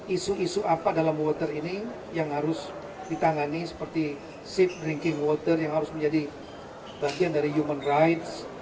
isu isu apa dalam water ini yang harus ditangani seperti ship ranking water yang harus menjadi bagian dari human rights